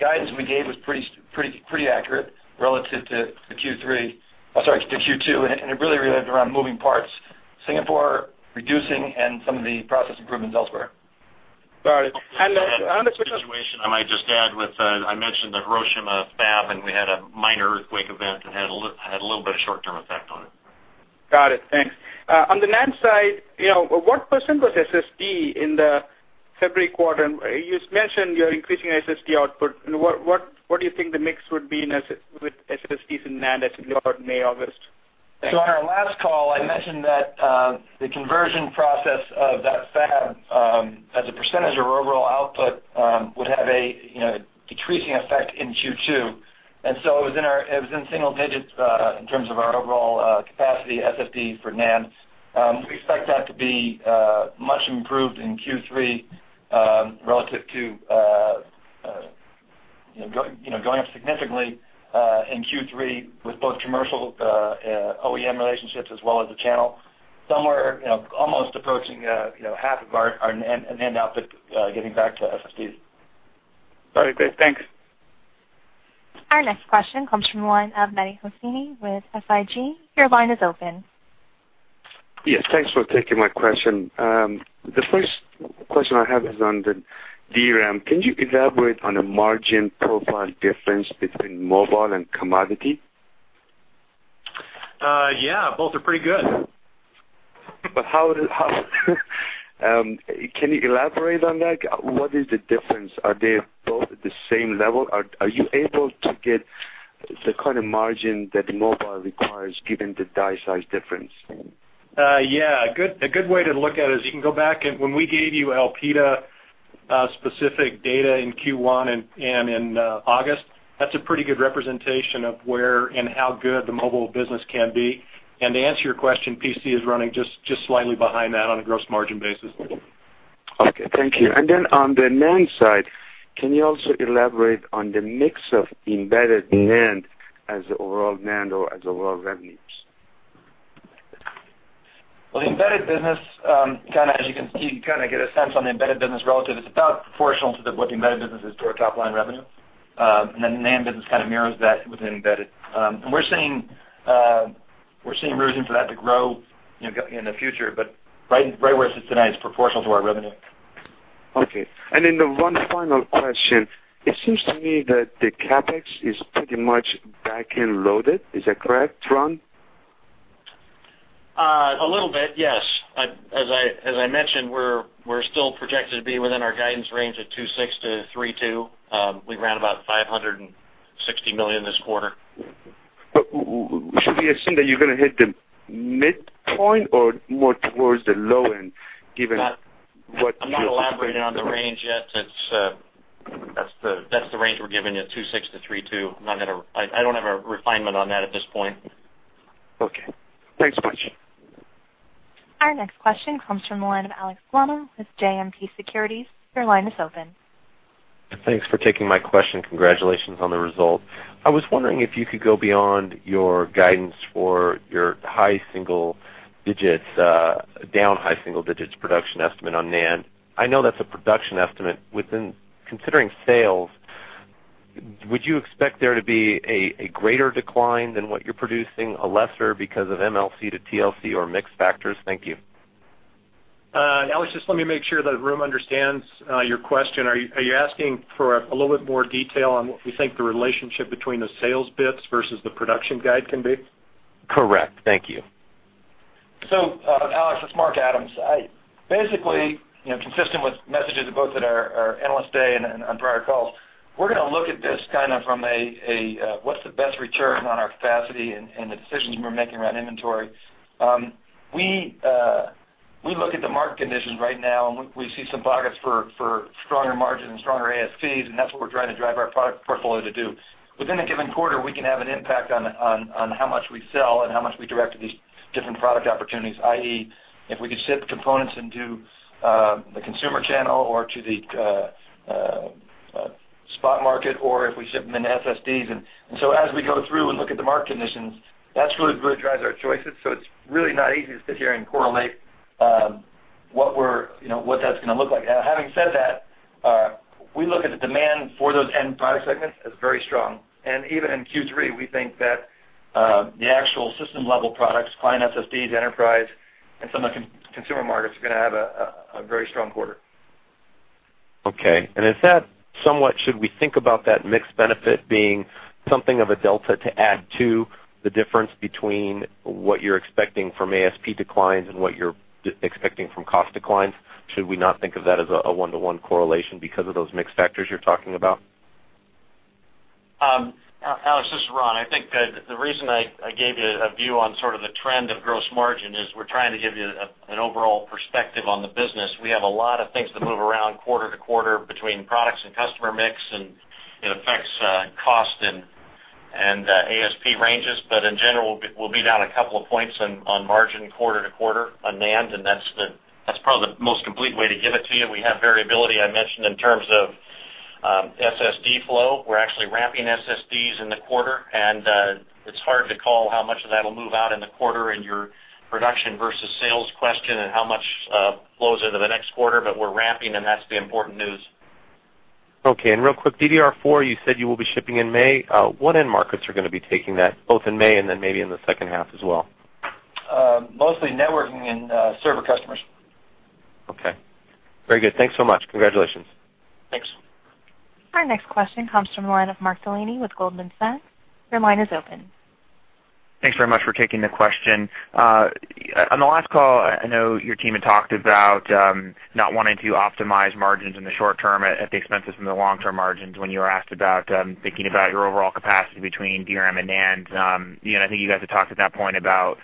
guidance we gave was pretty accurate relative to Q2, and it really revolved around moving parts, Singapore reducing and some of the process improvements elsewhere. Got it. Situation I might just add with, I mentioned the Hiroshima fab. We had a minor earthquake event that had a little bit of short-term effect on it. Got it. Thanks. On the NAND side, what % was SSD in the February quarter? You just mentioned you're increasing SSD output. What do you think the mix would be with SSDs in NAND as we go toward May/August? On our last call, I mentioned that the conversion process of that fab as a percentage of our overall output would have a decreasing effect in Q2. It was in single digits in terms of our overall capacity, SSD for NAND. We expect that to be much improved in Q3 relative to going up significantly in Q3 with both commercial OEM relationships as well as the channel. Somewhere almost approaching half of our NAND output getting back to SSDs. All right, great. Thanks. Our next question comes from the line of Mehdi Hosseini with SIG. Your line is open. Yes, thanks for taking my question. The first question I have is on the DRAM. Can you elaborate on the margin profile difference between mobile and commodity? Yeah, both are pretty good. Can you elaborate on that? What is the difference? Are they both at the same level? Are you able to get the kind of margin that mobile requires given the die size difference? Yeah. A good way to look at it is you can go back, and when we gave you LPDRAM-specific data in Q1 and in August, that's a pretty good representation of where and how good the mobile business can be. To answer your question, PC is running just slightly behind that on a gross margin basis. Okay, thank you. Then on the NAND side, can you also elaborate on the mix of embedded NAND as overall NAND or as overall revenues? The embedded business, as you can see, you kind of get a sense on the embedded business relative. It's about proportional to what the embedded business is to our top-line revenue. The NAND business kind of mirrors that with embedded. We're seeing room for that to grow in the future, but right where it sits today, it's proportional to our revenue. Okay. One final question. It seems to me that the CapEx is pretty much back-end loaded. Is that correct, Ron? A little bit, yes. As I mentioned, we're still projected to be within our guidance range of $2.6 billion-$3.2 billion. We ran about $560 million this quarter. Should we assume that you're going to hit the midpoint or more towards the low end? I'm not elaborating on the range yet. That's the range we're giving you, $2.6-$3.2. I don't have a refinement on that at this point. Okay. Thanks much. Our next question comes from the line of Alex Gauna with JMP Securities. Your line is open. Thanks for taking my question. Congratulations on the result. I was wondering if you could go beyond your guidance for your high single digits, down high single digits production estimate on NAND. I know that's a production estimate. Considering sales, would you expect there to be a greater decline than what you're producing, a lesser because of MLC to TLC or mix factors? Thank you. Alex, just let me make sure the room understands your question. Are you asking for a little bit more detail on what we think the relationship between the sales bits versus the production guide can be? Correct. Thank you. Alex, it's Mark Adams. Basically, consistent with messages both at our Analyst Day and on prior calls, we're going to look at this from a what's-the-best-return-on-our-capacity and the decisions we're making around inventory. We look at the market conditions right now, and we see some pockets for stronger margins and stronger ASPs, and that's what we're trying to drive our product portfolio to do. Within a given quarter, we can have an impact on how much we sell and how much we direct to these different product opportunities, i.e., if we could ship components into the consumer channel or to the spot market, or if we ship them in SSDs. As we go through and look at the market conditions, that's really what drives our choices. It's really not easy to sit here and correlate what that's going to look like. Having said that, we look at the demand for those end product segments as very strong. Even in Q3, we think that the actual system-level products, client SSDs, enterprise, and some of the consumer markets are going to have a very strong quarter. Should we think about that mixed benefit being something of a delta to add to the difference between what you're expecting from ASP declines and what you're expecting from cost declines? Should we not think of that as a one-to-one correlation because of those mixed factors you're talking about? Alex, this is Ron. I think that the reason I gave you a view on sort of the trend of gross margin is we're trying to give you an overall perspective on the business. We have a lot of things that move around quarter to quarter between products and customer mix, and it affects cost and ASP ranges. In general, we'll be down a couple of points on margin quarter to quarter on NAND, and that's probably the most complete way to give it to you. We have variability, I mentioned, in terms of SSD flow. We're actually ramping SSDs in the quarter, and it's hard to call how much of that'll move out in the quarter in your production versus sales question and how much flows into the next quarter. We're ramping, and that's the important news. Okay, real quick, DDR4, you said you will be shipping in May. What end markets are going to be taking that, both in May and then maybe in the second half as well? Mostly networking and server customers. Okay. Very good. Thanks so much. Congratulations. Thanks. Our next question comes from the line of Mark Delaney with Goldman Sachs. Your line is open. Thanks very much for taking the question. On the last call, I know your team had talked about not wanting to optimize margins in the short term at the expenses in the long-term margins when you were asked about thinking about your overall capacity between DRAM and NAND. I think you guys had talked at that point about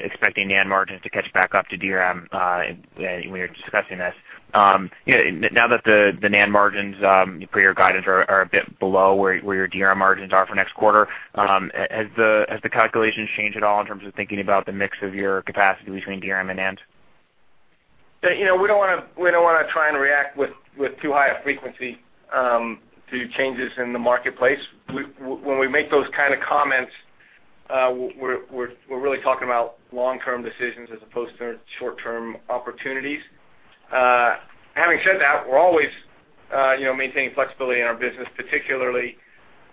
expecting NAND margins to catch back up to DRAM when you are discussing this. Now that the NAND margins for your guidance are a bit below where your DRAM margins are for next quarter, has the calculations changed at all in terms of thinking about the mix of your capacity between DRAM and NAND? We don't want to try and react with too high a frequency to changes in the marketplace. When we make those kind of comments, we are really talking about long-term decisions as opposed to short-term opportunities. Having said that, we are always maintaining flexibility in our business, particularly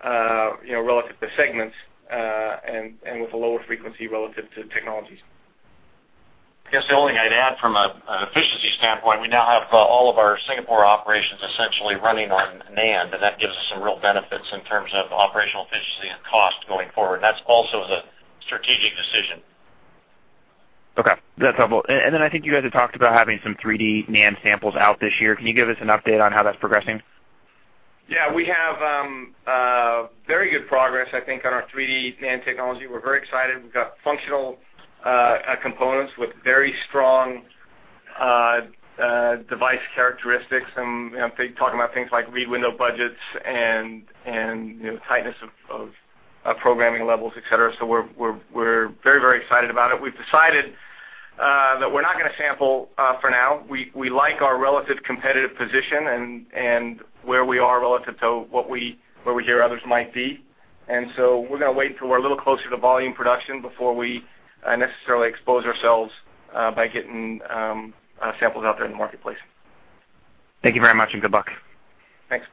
relative to segments, and with a lower frequency relative to technologies. I guess the only thing I'd add from an efficiency standpoint, we now have all of our Singapore operations essentially running on NAND, and that gives us some real benefits in terms of operational efficiency and cost going forward. That also is a strategic decision. Okay, that's helpful. Then I think you guys had talked about having some 3D NAND samples out this year. Can you give us an update on how that's progressing? Yeah, we have very good progress, I think, on our 3D NAND technology. We're very excited. We've got functional components with very strong device characteristics, talking about things like read window budgets and tightness of programming levels, et cetera. We're very excited about it. We've decided that we're not going to sample for now. We like our relative competitive position and where we are relative to where we hear others might be. So we're going to wait till we're a little closer to volume production before we necessarily expose ourselves by getting samples out there in the marketplace. Thank you very much, and good luck. Thanks.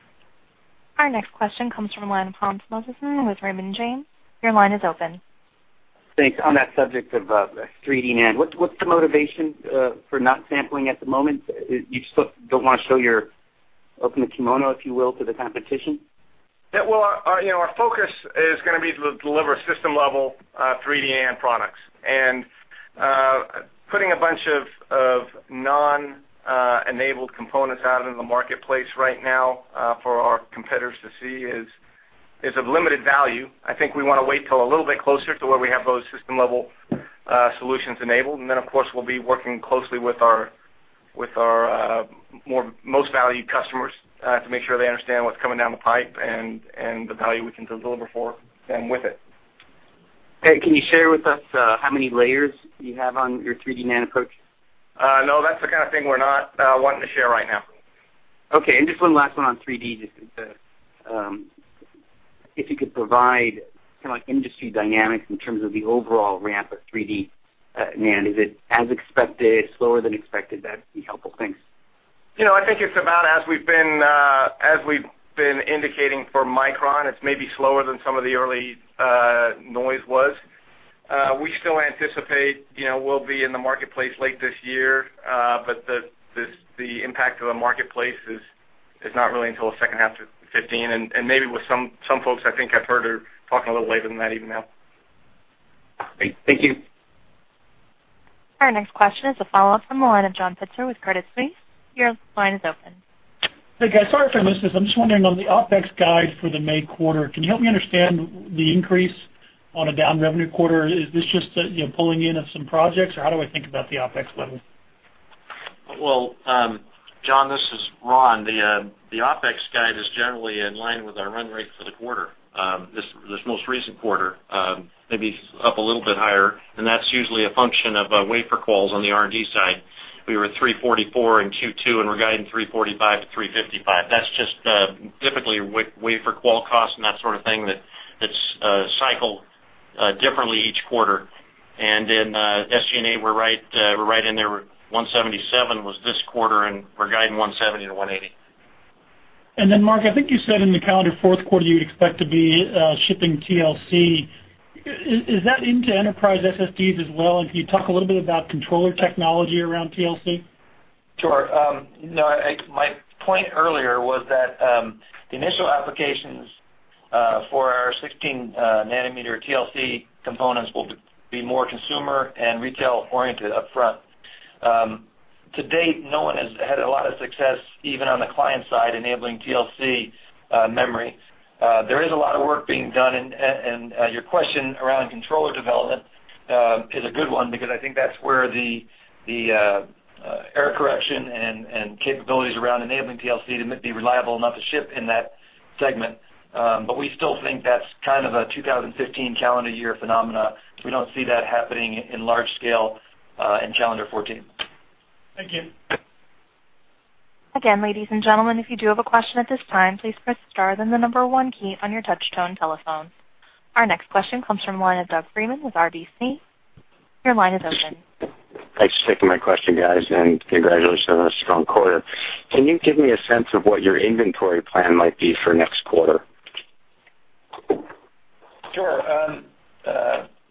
Our next question comes from the line of Hans Mosesmann with Raymond James. Your line is open. Thanks. On that subject of 3D NAND, what's the motivation for not sampling at the moment? You just don't want to show your open kimono, if you will, to the competition? Well, our focus is going to be to deliver system-level 3D NAND products. Putting a bunch of non-enabled components out into the marketplace right now for our competitors to see is of limited value. I think we want to wait till a little bit closer to where we have those system-level solutions enabled, and then, of course, we'll be working closely with our most valued customers to make sure they understand what's coming down the pipe and the value we can deliver for them with it. Okay. Can you share with us how many layers you have on your 3D NAND approach? No, that's the kind of thing we're not wanting to share right now. Okay. Just one last one on 3D NAND, just if you could provide industry dynamics in terms of the overall ramp of 3D NAND. Is it as expected, slower than expected? That'd be helpful. Thanks. I think it's about as we've been indicating for Micron. It's maybe slower than some of the early noise was. We still anticipate we'll be in the marketplace late this year, but the impact of the marketplace is Is not really until the second half of 2015, maybe with some folks, I think I've heard are talking a little later than that even now. Great. Thank you. Our next question is a follow-up from the line of John Pitzer with Credit Suisse. Your line is open. Hey, guys. Sorry if I missed this. I'm just wondering on the OpEx guide for the May quarter, can you help me understand the increase on a down revenue quarter? Is this just the pulling in of some projects, or how do I think about the OpEx level? Well, John, this is Ron. The OpEx guide is generally in line with our run rate for the quarter, this most recent quarter, maybe up a little bit higher, and that's usually a function of wafer quals on the R&D side. We were at $344 in Q2, and we're guiding $345-$355. That's just typically wafer qual costs and that sort of thing that's cycled differently each quarter. In SG&A, we're right in there, $177 was this quarter, and we're guiding $170-$180. Mark, I think you said in the calendar fourth quarter, you would expect to be shipping TLC. Is that into enterprise SSDs as well? Can you talk a little bit about controller technology around TLC? Sure. No, my point earlier was that the initial applications for our 16-nanometer TLC components will be more consumer and retail-oriented up front. To date, no one has had a lot of success, even on the client side, enabling TLC memory. There is a lot of work being done, and your question around controller development is a good one because I think that's where the error correction and capabilities around enabling TLC to be reliable enough to ship in that segment. We still think that's kind of a 2015 calendar year phenomena. We don't see that happening in large scale in calendar 2014. Thank you. Again, ladies and gentlemen, if you do have a question at this time, please press star, then the number 1 key on your touch-tone telephone. Our next question comes from the line of Doug Freedman with RBC. Your line is open. Thanks for taking my question, guys, and congratulations on a strong quarter. Can you give me a sense of what your inventory plan might be for next quarter? Sure.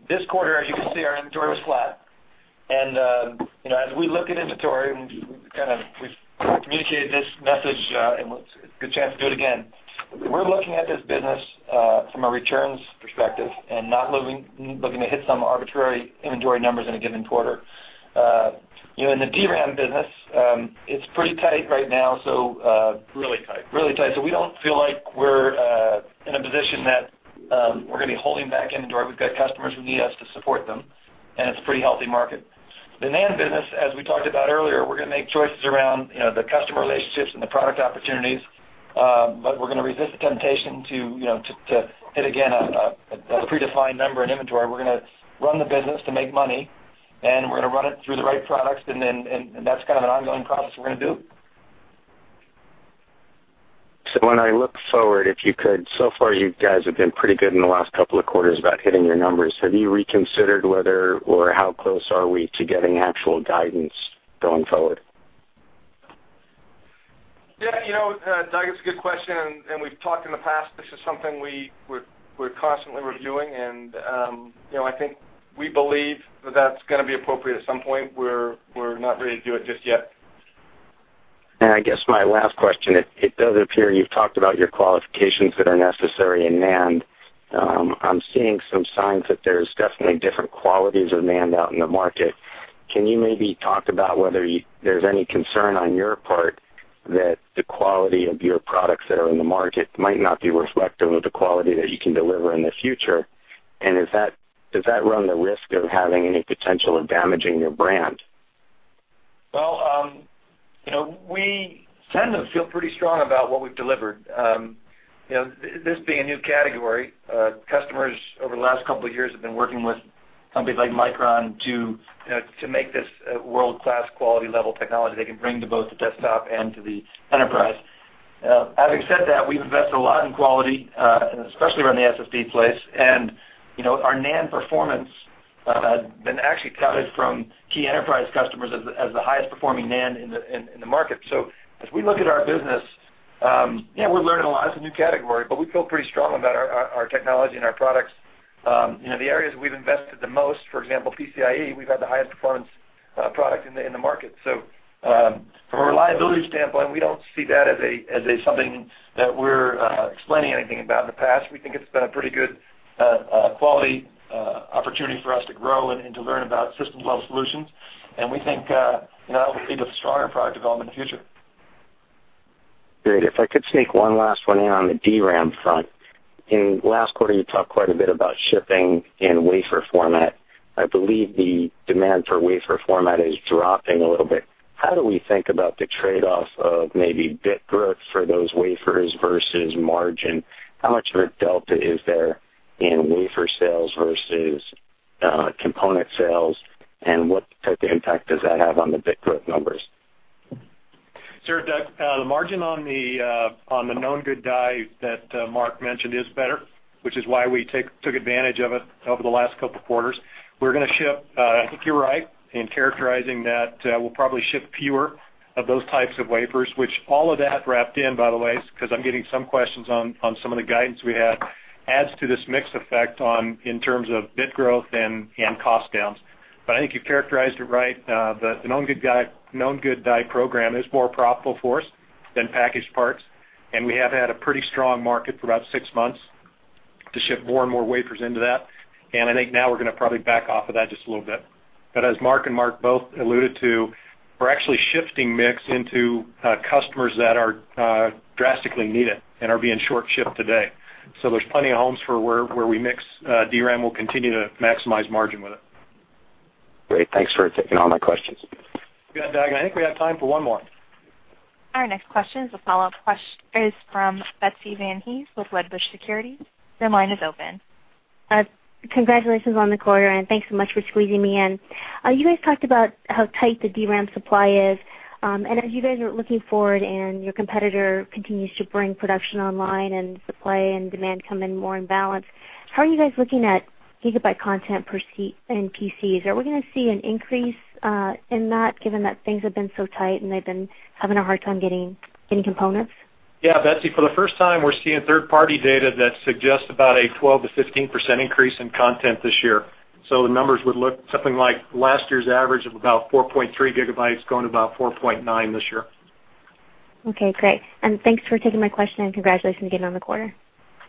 This quarter, as you can see, our inventory was flat. As we look at inventory, and we've communicated this message, and it's a good chance to do it again. We're looking at this business from a returns perspective and not looking to hit some arbitrary inventory numbers in a given quarter. In the DRAM business, it's pretty tight right now, so- Really tight. Really tight. We don't feel like we're in a position that we're going to be holding back inventory. We've got customers who need us to support them, and it's a pretty healthy market. The NAND business, as we talked about earlier, we're going to make choices around the customer relationships and the product opportunities. We're going to resist the temptation to hit, again, a predefined number in inventory. We're going to run the business to make money, and we're going to run it through the right products, and that's kind of an ongoing process we're going to do. When I look forward, if you could, so far you guys have been pretty good in the last couple of quarters about hitting your numbers. Have you reconsidered whether or how close are we to getting actual guidance going forward? Yeah. Doug, it's a good question. We've talked in the past, this is something we're constantly reviewing, I think we believe that's going to be appropriate at some point. We're not ready to do it just yet. I guess my last question, it does appear you've talked about your qualifications that are necessary in NAND. I'm seeing some signs that there's definitely different qualities of NAND out in the market. Can you maybe talk about whether there's any concern on your part that the quality of your products that are in the market might not be reflective of the quality that you can deliver in the future? Does that run the risk of having any potential of damaging your brand? Well, we tend to feel pretty strong about what we've delivered. This being a new category, customers over the last couple of years have been working with companies like Micron to make this a world-class quality level technology they can bring to both the desktop and to the enterprise. Having said that, we've invested a lot in quality, especially around the SSD place, and our NAND performance has been actually touted from key enterprise customers as the highest-performing NAND in the market. As we look at our business, yeah, we're learning a lot. It's a new category, but we feel pretty strong about our technology and our products. The areas we've invested the most, for example, PCIe, we've had the highest performance product in the market. From a reliability standpoint, we don't see that as something that we're explaining anything about in the past. We think it's been a pretty good quality opportunity for us to grow and to learn about system-level solutions. We think that will lead to stronger product development in the future. Great. If I could sneak one last one in on the DRAM front. In the last quarter, you talked quite a bit about shipping in wafer format. I believe the demand for wafer format is dropping a little bit. How do we think about the trade-off of maybe bit growth for those wafers versus margin? How much of a delta is there in wafer sales versus component sales, and what type of impact does that have on the bit growth numbers? Sure, Doug. The margin on the known good die that Mark mentioned is better, which is why we took advantage of it over the last couple of quarters. We're going to ship, I think you're right in characterizing that we'll probably ship fewer of those types of wafers, which all of that wrapped in, by the way, because I'm getting some questions on some of the guidance we had adds to this mix effect in terms of bit growth and cost downs. I think you've characterized it right, that the known good die program is more profitable for us than packaged parts, and we have had a pretty strong market for about six months to ship more and more wafers into that. I think now we're going to probably back off of that just a little bit. As Mark and Mark both alluded to, we're actually shifting mix into customers that drastically need it and are being short-shipped today. There's plenty of homes for where we mix DRAM. We'll continue to maximize margin with it. Great. Thanks for taking all my questions. You bet, Doug. I think we have time for one more. Our next question is a follow-up question from Betsy Van Hees with Wedbush Securities. Your line is open. Congratulations on the quarter. Thanks so much for squeezing me in. You guys talked about how tight the DRAM supply is. As you guys are looking forward and your competitor continues to bring production online and supply and demand come in more in balance, how are you guys looking at gigabyte content in PCs? Are we going to see an increase in that given that things have been so tight and they've been having a hard time getting any components? Yeah, Betsy, for the first time, we're seeing third-party data that suggests about a 12%-15% increase in content this year. The numbers would look something like last year's average of about 4.3 gigabytes, going to about 4.9 this year. Okay, great. Thanks for taking my question and congratulations again on the quarter.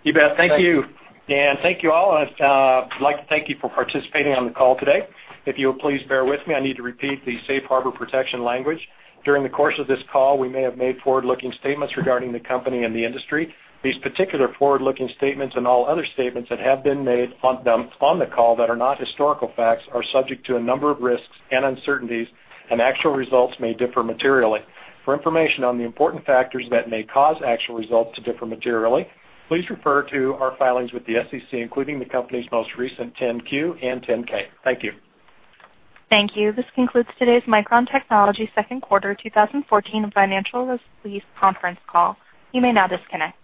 You bet. Thank you. Thank you all. I'd like to thank you for participating on the call today. If you would please bear with me, I need to repeat the safe harbor protection language. During the course of this call, we may have made forward-looking statements regarding the company and the industry. These particular forward-looking statements and all other statements that have been made on the call that are not historical facts are subject to a number of risks and uncertainties, and actual results may differ materially. For information on the important factors that may cause actual results to differ materially, please refer to our filings with the SEC, including the company's most recent 10-Q and 10-K. Thank you. Thank you. This concludes today's Micron Technology second quarter 2014 financial release conference call. You may now disconnect.